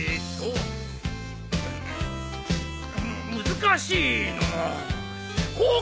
難しいのう。